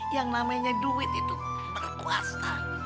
yang namanya duit itu berpuasa